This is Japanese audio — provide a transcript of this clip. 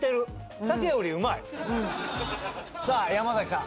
さぁ山崎さん